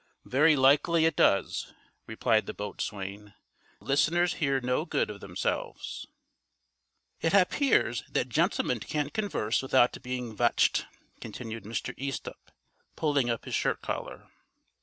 "Very likely it does," replied the boatswain. "Listeners hear no good of themselves." "It happears that gentlemen can't converse without being vatched," continued Mr. Easthupp, pulling up his shirt collar.